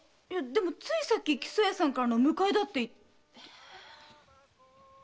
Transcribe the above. ついさっき木曽屋さんからの迎えだって言って！